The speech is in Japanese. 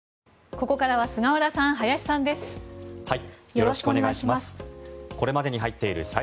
ここからは菅原さん、林さんです。